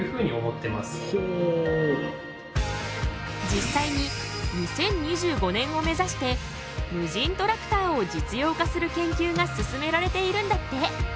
実際に２０２５年を目指して無人トラクターを実用化する研究が進められているんだって！